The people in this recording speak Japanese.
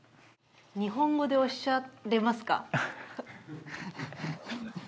日本語でおっしゃれますか？